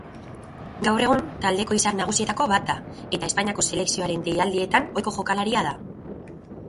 Gaur egun taldeko izar nagusietako bat da, eta Espainiako selekzioaren deialdietan ohiko jokalaria da.